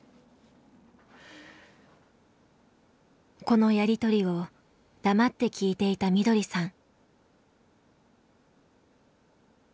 このやり取りを黙って聞いていたみどりさん。